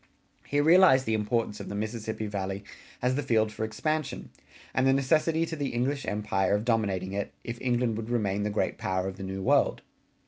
He realized the importance of the Mississippi Valley as the field for expansion, and the necessity to the English empire of dominating it, if England would remain the great power of the New World.